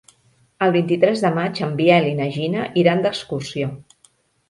El vint-i-tres de maig en Biel i na Gina iran d'excursió.